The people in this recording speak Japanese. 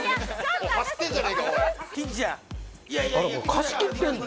これ貸し切ってんの？